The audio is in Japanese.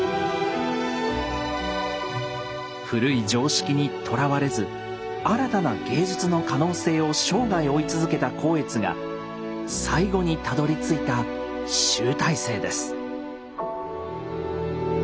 古い常識にとらわれず新たな芸術の可能性を生涯追い続けた光悦が最後にたどりついた集大成です。